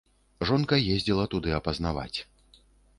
Жонка ездзіла туды апазнаваць.